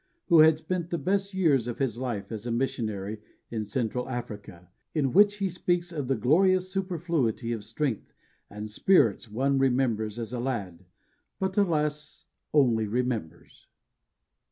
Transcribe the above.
who had spent the best years of his life as a missionary in Central Africa, in which he speaks of "the glorious superfluity of strength and spirits one remembers as a lad, but alas! only remembers."